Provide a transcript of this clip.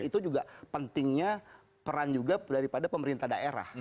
itu juga pentingnya peran juga daripada pemerintah daerah